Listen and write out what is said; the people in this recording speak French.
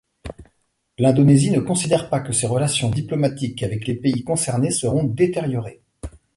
L'Indonésie ne considère pas que ses relations diplomatiques avec les pays concernés seront détériorées.